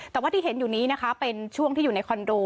แต่ว่าที่เห็นอยู่นี้นะคะเป็นช่วงที่อยู่ในคอนโด